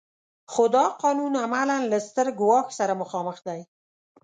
خو دا قانون عملاً له ستر ګواښ سره مخامخ دی.